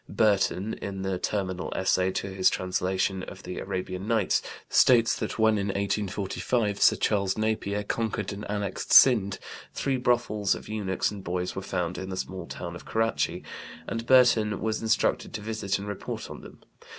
Burton in the "Terminal Essay" to his translation of the Arabian Nights, states that when in 1845 Sir Charles Napier conquered and annexed Sind three brothels of eunuchs and boys were found in the small town of Karachi, and Burton was instructed to visit and report on them.